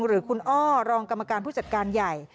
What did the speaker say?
หรือคุณอ้อรองกรรมการผู้จัดการใหญ่